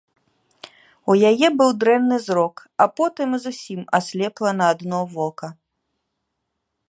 У яе быў дрэнны зрок, а потым і зусім аслепла на адно вока.